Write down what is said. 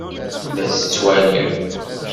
La tt-ttwaliɣ.